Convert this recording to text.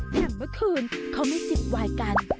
อย่างเมื่อคืนเขาไม่จิบวายกัน